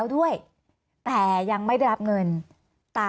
มีความรู้สึกว่าเสียใจ